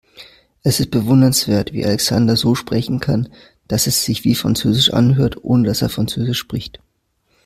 Es ist bewundernswert, wie Alexander so sprechen kann, dass es sich wie französisch anhört, ohne dass er französisch spricht.